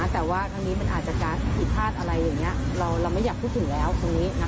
แต่ว่าทั้งนี้มันอาจจะก๊าซผิดพลาดอะไรอย่างนี้เราไม่อยากพูดถึงแล้วตรงนี้